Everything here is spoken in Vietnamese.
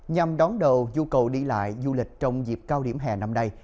nhằm đón đầu nhu cầu đi lại du lịch trong dịp cao điểm hè năm nay